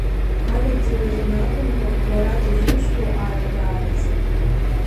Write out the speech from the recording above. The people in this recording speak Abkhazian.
Анагӡаразын акәымкәа, лара дызусҭоу аилкааразы.